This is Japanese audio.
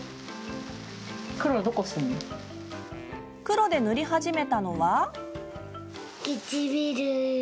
黒で、塗り始めたのは。